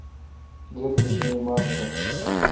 زید بیشی نما ز تہ۔